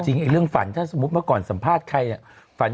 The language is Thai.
เรื่องฝันถ้าสมมุติเมื่อก่อนสัมภาษณ์ใครฝัน